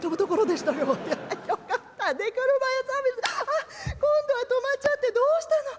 あっ今度は止まっちゃってどうしたの？